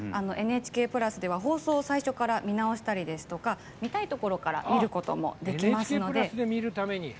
ＮＨＫプラスでは放送を最初から見直したりですとか見たいところから見ることもできますので。